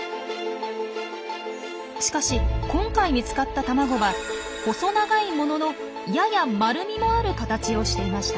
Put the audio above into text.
しかし今回見つかった卵は細長いもののやや丸みもある形をしていました。